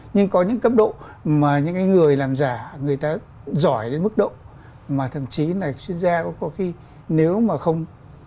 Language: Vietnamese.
nhưng có những cấp độ mà những người làm giả người ta giỏi đến mức độ mà thậm chí là chuyên gia cũng có khi nếu mà không